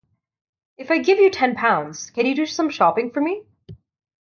If I give you ten pounds, can you do some shopping for me?